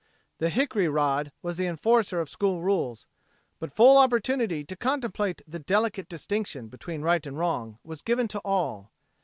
The hickory rod was the enforcer of school rules, but full opportunity to contemplate the delicate distinction between right and wrong was given to all.